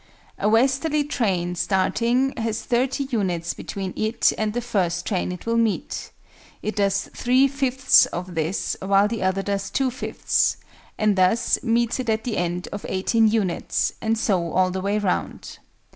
A westerly train starting has 30 units between it and the first train it will meet: it does 3 5ths of this while the other does 2 5ths, and thus meets it at the end of 18 units, and so all the way round.